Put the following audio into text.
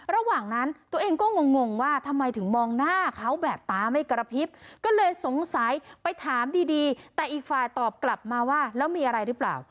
ระหว่างนั้นตัวเองก็งงว่าทำไมถึงมองหน้าเขาแบบตาไม่กระพริบก็เลยสงสัยไปถามดีดีแต่อีกฝ่ายตอบกลับมาว่าแล้วมีอะไรหรือเปล่า